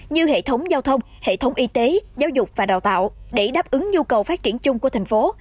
như hệ thống giao thông hệ thống y tế giáo dục và đào tạo để đáp ứng nhu cầu phát triển chung của thành phố